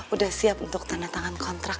udah siap untuk tanda tangan kontrak